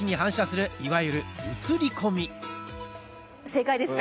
正解ですか？